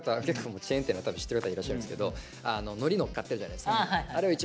チェーン店なんで多分知ってる方いらっしゃるんですけどのりのっかってるじゃないですか。